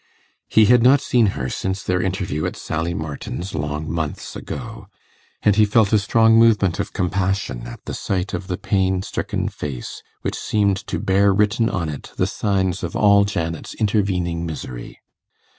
He had not seen her since their interview at Sally Martin's long months ago; and he felt a strong movement of compassion at the sight of the pain stricken face which seemed to bear written on it the signs of all Janet's intervening misery.